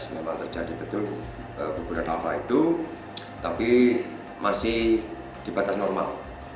memang terjadi betul guguran lava itu tapi masih di batas normal